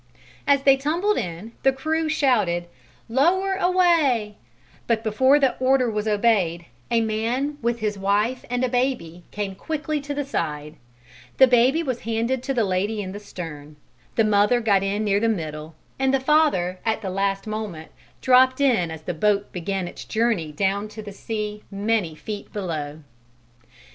As they tumbled in, the crew shouted, "Lower away"; but before the order was obeyed, a man with his wife and a baby came quickly to the side: the baby was handed to the lady in the stern, the mother got in near the middle and the father at the last moment dropped in as the boat began its journey down to the sea many feet below.